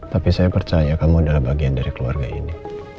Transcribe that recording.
tapi saya percaya kamu adalah bagian dari keluarga ini